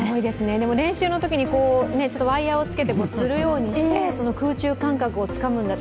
でも、練習のときにちょっとワイヤーをつけてつるようにして空中感覚をつかむんだと、